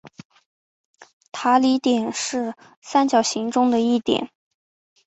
塔里点是三角形中的一点。